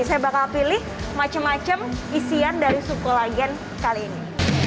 saya bakal pilih macam macam isian dari sup kolagen kali ini